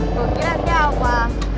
gue kira dia apa